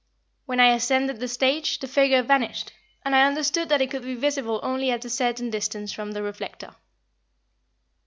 When I ascended the stage, the figure vanished, and I understood that it could be visible only at a certain distance from the reflector.